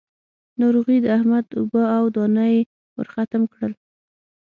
ناروغي د احمد اوبه او دانه يې ورختم کړل.